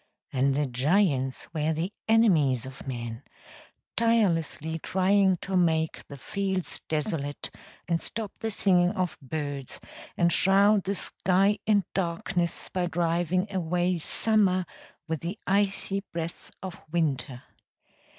And the giants were the enemies of men, tirelessly trying to make the fields desolate and stop the singing of birds and shroud the sky in darkness by driving away summer with the icy breath of winter.